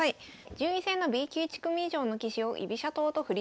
順位戦のＢ級１組以上の棋士を居飛車党と振り飛車